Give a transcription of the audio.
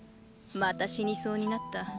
また死にそうになった。